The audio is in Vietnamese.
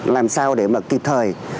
làm sao để mà kịp thời